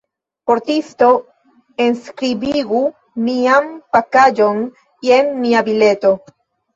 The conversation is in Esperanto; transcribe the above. Portisto, enskribigu mian pakaĵon, jen mia bileto.